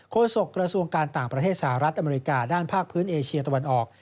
โศกระทรวงการต่างประเทศสหรัฐอเมริกาด้านภาคพื้นเอเชียตะวันออก